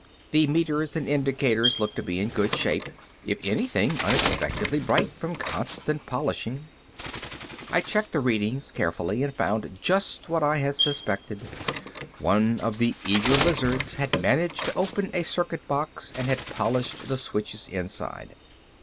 The meters and indicators looked to be in good shape; if anything, unexpectedly bright from constant polishing. I checked the readings carefully and found just what I had suspected. One of the eager lizards had managed to open a circuit box and had polished the switches inside.